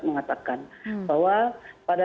mengatakan bahwa pada